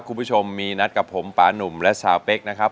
คุณผู้ชมมีนัดกับผมปานุ่มและสาวเป๊กนะครับ